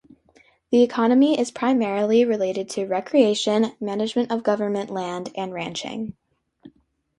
The economy is primarily related to recreation, management of government land, and ranching.